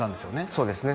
そうですね